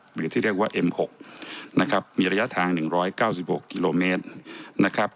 หรือที่เรียกว่าเอ็มหกนะครับมีระยะทางหนึ่งร้อยเก้าสิบหกกิโลเมตรนะครับ